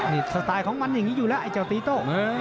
นี่สไตล์ของมันอย่างนี้อยู่แล้วไอ้เจ้าตีโต้